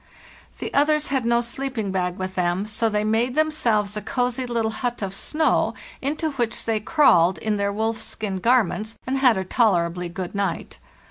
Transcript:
The others had no sleeping bag with them, so they made themselves a cozy little hut of snow, into which they crawled in their wolfskin garments, and had a tolerably good night.